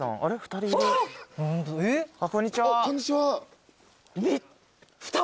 こんにちは。